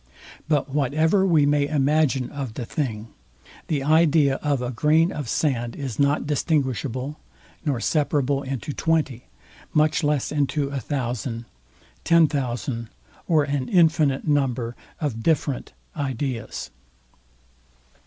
But whatever we may imagine of the thing, the idea of a grain of sand is not distinguishable, nor separable into twenty, much less into a thousand, ten thousand, or an infinite number of different ideas.